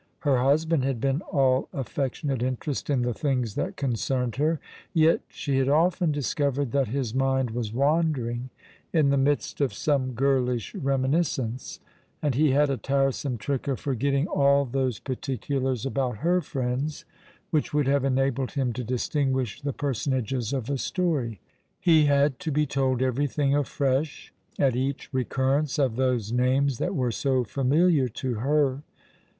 Her husband had been all affectionate interest in the things that concerned her; yet she had often discovered that his mind was wandering in the midst of some girlish reminiscence; and he had a tiresome trick of forgetting all those particulars about her friends which would have enabled him to distinguish the personages of a story. He had to be told everything afresh at each recurrence of those names that were so familiar to her.